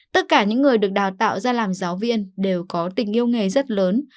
tất cả những người được đào tạo ra làm giáo viên đều có tình yêu nghề rất lớn